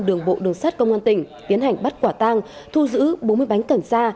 đường bộ đường sát công an tỉnh tiến hành bắt quả tăng thu giữ bốn mươi bánh cảnh xa